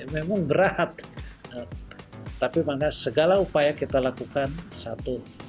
memang berat tapi maka segala upaya kita lakukan satu